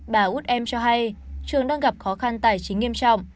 bà út em cho hay trường đang gặp khó khăn tài chính nghiêm trọng